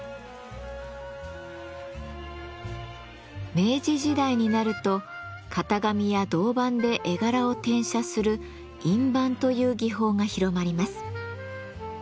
明治時代になると型紙や銅版で絵柄を転写する「印判」という技法が広まります。